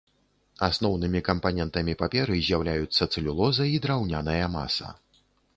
Асноўнымі кампанентамі паперы з'яўляюцца цэлюлоза і драўняная маса.